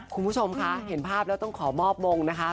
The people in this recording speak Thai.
คุณผู้ชมคะแล้วเห็นภาพแล้วก็ต้องขอมอบองค์นะคะ